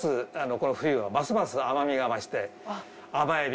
この冬はますます甘みが増して甘エビ